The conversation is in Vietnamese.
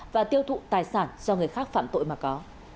và tiêu thụ tài sản do người khác phạm tội mà có